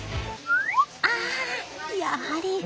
あやはり。